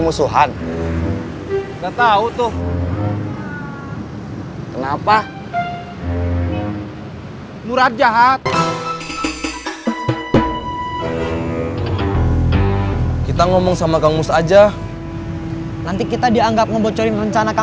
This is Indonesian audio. mau bantu kang komar atau enggak